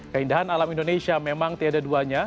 keindahan alam indonesia memang tidak ada duanya